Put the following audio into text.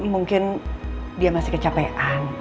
mungkin dia masih kecapean